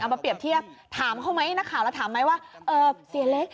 มาเปรียบเทียบถามเขาไหมนักข่าวเราถามไหมว่าเสียเล็ก